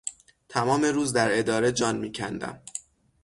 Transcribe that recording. تمام روز در اداره جان میکندم.